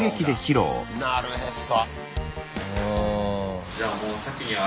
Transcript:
なるへそ。